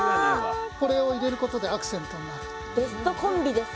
これを入れることでアクセントになる。